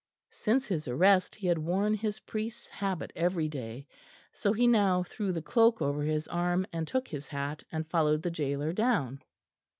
Since his arrest he had worn his priest's habit every day, so he now threw the cloak over his arm and took his hat, and followed the gaoler down.